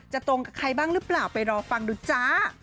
ตรงกับใครบ้างหรือเปล่าไปรอฟังดูจ้า